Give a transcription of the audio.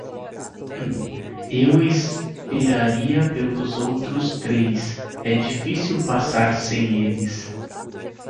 Eu esperaria pelos outros três, é difícil passar sem eles.